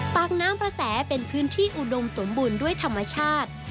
ปากน้ำประแสเป็นพื้นที่อุดมสมบูรณ์ด้วยธรรมชาติ